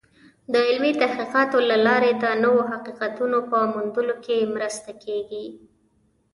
د علمي تحقیقاتو له لارې د نوو حقیقتونو په موندلو کې مرسته کېږي.